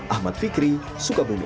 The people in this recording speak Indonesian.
ahmad fikri sukabumi